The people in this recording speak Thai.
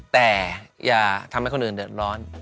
แต่อย่าทำให้คนอื่นเดือดร้อน